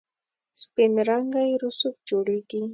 سپین رنګی رسوب جوړیږي.